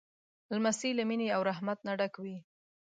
لمسی له مینې او رحمت نه ډک وي.